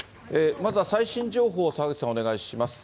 まずは最新情報を、澤口さん、お願いします。